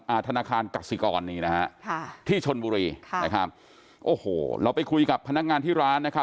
ธนาคารกสิกรนี่นะฮะค่ะที่ชนบุรีค่ะนะครับโอ้โหเราไปคุยกับพนักงานที่ร้านนะครับ